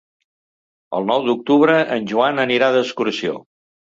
El nou d'octubre en Joan anirà d'excursió.